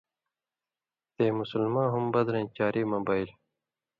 تے مسلماں ہُم بدرَیں چاری مہ بَیل۔